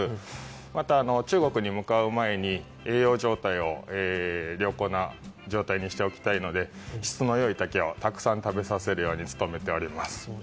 また中国に向かう前に栄養状態を良好な状態にしておきたいので質のよい竹をたくさん食べさせるように努めております。